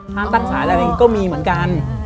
ห้ามตั้งสารอะไรอย่างนี้ก็มีเหมือนกัน